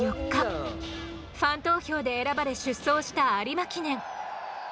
ファン投票で選ばれ出走した有馬記念。